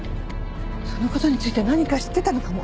その事について何か知ってたのかも。